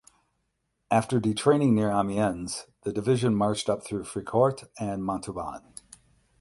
After detraining near Amiens the division marched up through Fricourt and Montauban.